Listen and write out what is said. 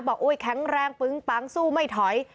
แข็งแรงปึ้งปังสู้ไม่ถอย